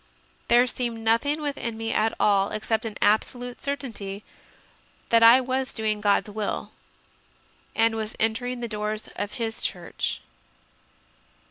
There seemed nothing within me at all except an absolute certainty that I was doing God s will and was entering the doors of His Church.